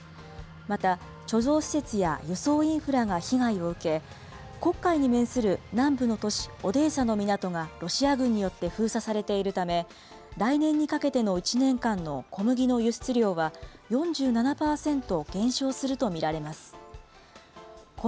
また、貯蔵施設や輸送インフラが被害を受け、黒海に面する南部の都市オデーサの港がロシア軍によって封鎖されているため、来年にかけての１年間の小麦の輸出量は、４７％減少すると見られます。